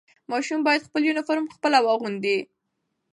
ماشوم باید خپل یونیفرم خپله واغوندي.